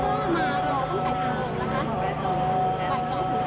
ตอนนี้เป็นครั้งหนึ่งครั้งหนึ่งครั้งหนึ่ง